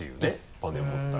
パネル持ったり。